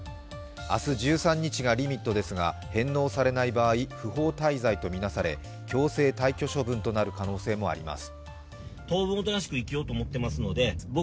明日１３日がリミットですが返納されない場合不法滞在と見なされ強制退去処分となる可能性もあります。